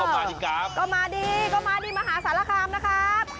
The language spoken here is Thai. เข้ามาดีกราฟเข้ามาดีมหาศาลคามนะครับ